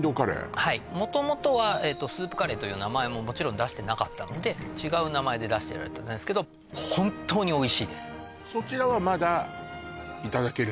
はい元々はスープカレーという名前ももちろん出してなかったので違う名前で出してたんですけど本当においしいですそちらはまだいただけるのね？